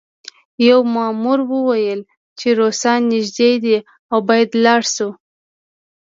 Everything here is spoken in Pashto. یوه مامور وویل چې روسان نږدې دي او باید لاړ شو